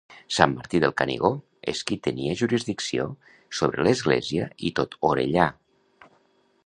Sant Martí del Canigó és qui tenia jurisdicció sobre l'església i tot Orellà.